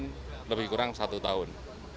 mungkin lebih kurang satu tahun